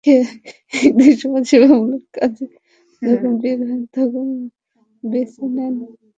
এদিকে সমাজসেবামূলক কাজে যখন বের হন, তখন বেছে নেন ফরমাল পোশাক।